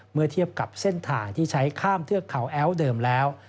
เมื่อเทียบกับเส้นทางที่ใช้ข้ามเทือกเขาแอ้วเดิมแล้ว